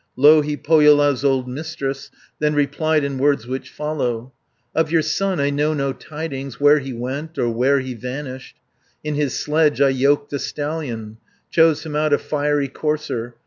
Louhi, Pohjola's old Mistress, Then replied in words which follow: "Of your son I know no tidings, Where he went, or where he vanished. In his sledge I yoked a stallion, Chose him out a fiery courser.